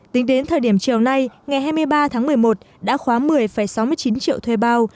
tính đến thời điểm chiều nay ngày hai mươi ba tháng một mươi một đã khóa một mươi sáu mươi chín triệu thuê bao